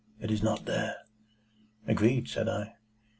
"It is not there." "Agreed," said I.